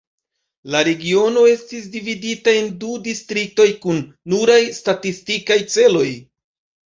La regiono estis dividata en du distriktoj kun nuraj statistikaj celoj.